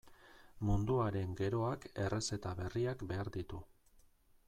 Munduaren geroak errezeta berriak behar ditu.